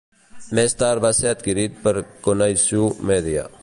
Més tard va ser adquirit per Connoisseur Media.